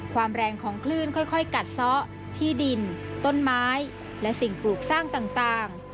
แรงของคลื่นค่อยกัดซ้อที่ดินต้นไม้และสิ่งปลูกสร้างต่าง